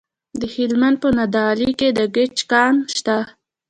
د هلمند په نادعلي کې د ګچ کان شته.